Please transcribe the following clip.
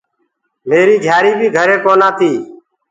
ميريٚ گھِياريٚ بيٚ گھري ڪونآ تيٚ